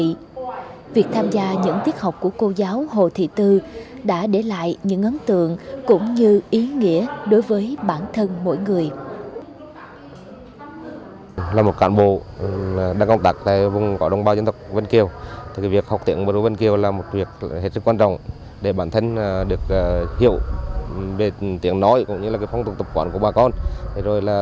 vì đó việc tham gia những tiết học của cô giáo hồ thị tư đã để lại những ấn tượng cũng như ý nghĩa đối với bản thân mỗi người